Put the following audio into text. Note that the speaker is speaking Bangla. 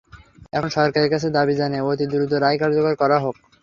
এখন সরকারের কাছে দাবি জানাই, অতি দ্রুত রায় কার্যকর করা হোক।